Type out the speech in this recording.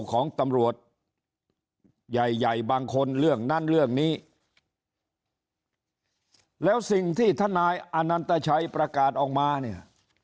ของตำรวจใหญ่ใหญ่บางคนเรื่องนั้นเรื่องนี้แล้วสิ่งที่ทนายอนันตชัยประกาศออกมาเนี่ย